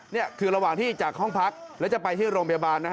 นี่คือระหว่างที่จากห้องพักแล้วจะไปที่โรงพยาบาลนะฮะ